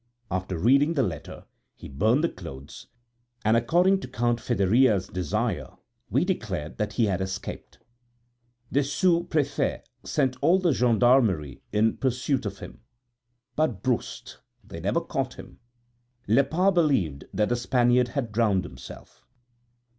After reading the letter, he burned the clothes, and according to Count Fédéria's desire we declared that he had escaped. The sous préfet sent all the gendarmerie in pursuit of him; but brust! they never caught him. Lepas believed that the Spaniard had drowned himself.